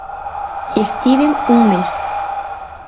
Estiven un mes.